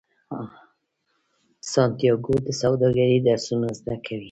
سانتیاګو د سوداګرۍ درسونه زده کوي.